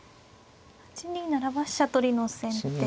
８二ならば飛車取りの先手で。